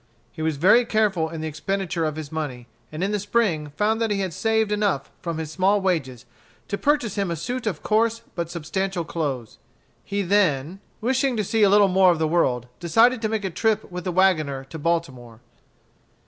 He was very careful in the expenditure of his money, and in the spring found that he had saved enough from his small wages to purchase him a suit of coarse but substantial clothes. He then, wishing to see a little more of the world, decided to make a trip with the wagoner to Baltimore.